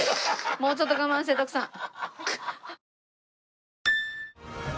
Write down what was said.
もうちょっと我慢して徳さん。